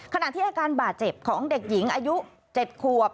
ขณะที่อาการบาดเจ็บของเด็กหญิงอายุ๗ขวบ